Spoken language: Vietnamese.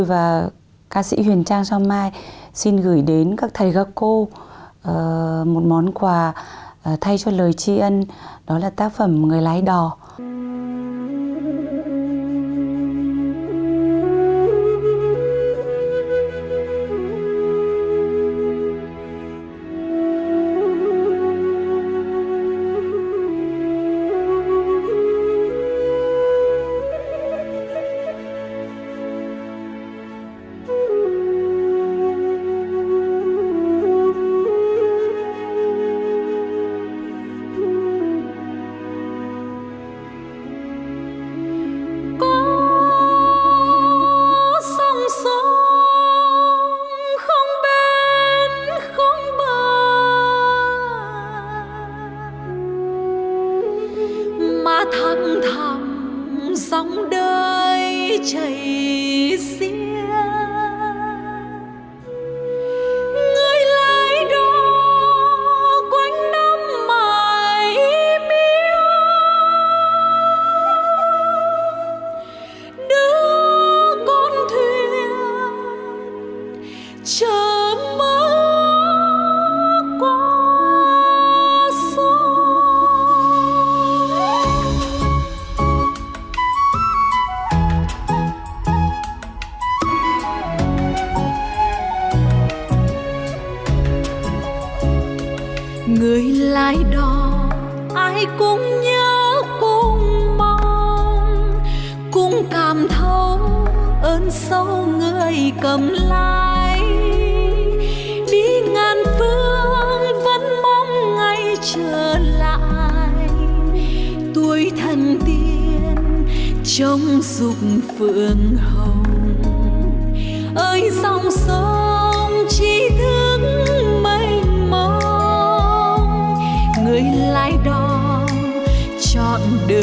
và sẽ là người lái đò mãi là người lái đò trở những ước mơ cho các em nhỏ nơi biên giới có một tương lai tươi sáng hơn